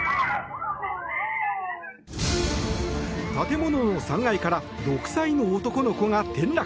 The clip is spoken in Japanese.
建物の３階から６歳の男の子が転落。